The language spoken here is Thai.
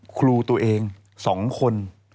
ครูตัวเอง๒คน